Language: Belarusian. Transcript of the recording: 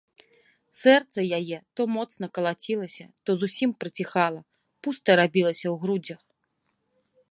Сэрца яе то моцна калацілася, то зусім прыціхала, пуста рабілася ў грудзях.